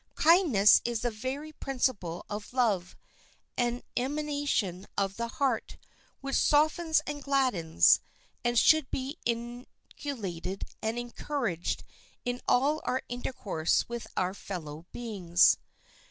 Kindness is the very principle of love, an emanation of the heart, which softens and gladdens, and should be inculcated and encouraged in all our intercourse with our fellow beings.